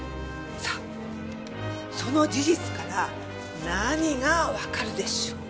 さあその事実から何がわかるでしょうか？